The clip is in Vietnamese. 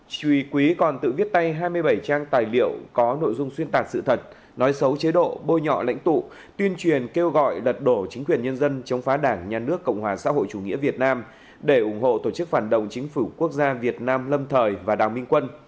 chuy quý còn tự viết tay hai mươi bảy trang tài liệu có nội dung xuyên tạc sự thật nói xấu chế độ bôi nhọ lãnh tụ tuyên truyền kêu gọi lật đổ chính quyền nhân dân chống phá đảng nhà nước cộng hòa xã hội chủ nghĩa việt nam để ủng hộ tổ chức phản động chính phủ quốc gia việt nam lâm thời và đào minh quân